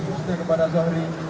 terima kasih kepada zohri